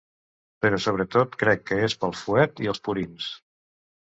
Però sobretot, crec és pel fuet i els purins.